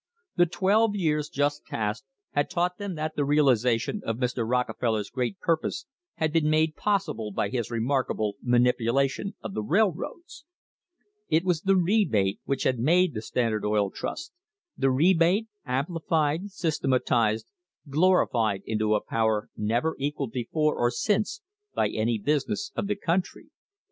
The twelve years just passed had taught them that the realisation of Mr. Rockefeller's great purpose had been made possible by his remarkable manipulation of the rail roads. It was the rebate which had made the Standard Oil Trust, the rebate, amplified, systematised, glorified into a power never equalled before or since by any business of the country.